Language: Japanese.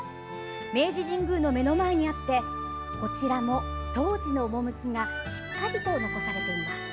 明治神宮の目の前にあってこちらも当時の趣がしっかりと残されています。